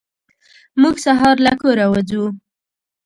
موږ سهار له کوره وځو.